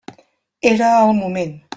Era el moment.